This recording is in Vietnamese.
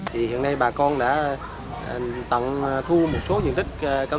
thì hiện nay bà con đã tổng thu một số diện tích cao su